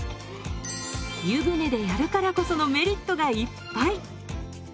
湯船でやるからこそのメリットがいっぱい！